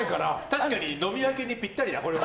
確かに飲み明けにぴったりだ。